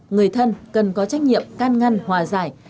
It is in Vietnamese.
người thân cần có trách nhiệm can ngăn hòa giải